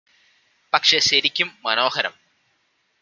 പക്ഷേ ശരിക്കും മനോഹരം